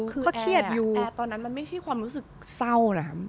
คือแอร์ตอนนั้นมันไม่ใช่ความรู้สึกเศร้านะครับ